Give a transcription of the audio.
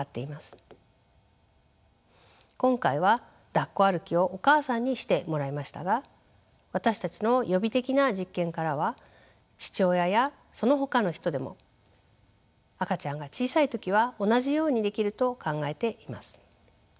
今回はだっこ歩きをお母さんにしてもらいましたが私たちの予備的な実験からは父親やそのほかの人でも赤ちゃんが小さい時は同じようにできると考えています。